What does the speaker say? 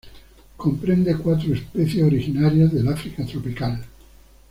Comprende cuatro especies originarias del África tropical.